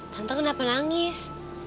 tante kenapa nangis